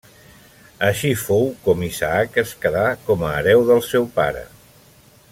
Així fou com Isaac es quedà com a hereu del seu pare.